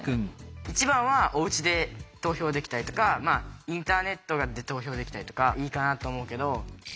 一番はおうちで投票できたりとかインターネットで投票できたりとかいいかなと思うけど。